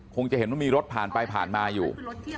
จะเห็นว่ามีรถผ่านไปผ่านมาอยู่